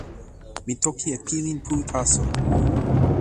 mi toki e pilin pu taso.